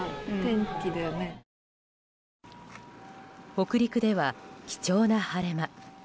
北陸では貴重な晴れ間。